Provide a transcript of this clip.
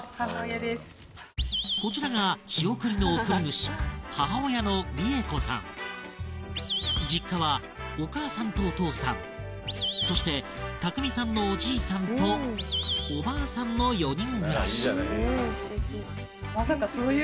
こちらが仕送りの送り主実家はお母さんとお父さんそして拓海さんのおじいさんとおばあさんの４人暮らしまさか。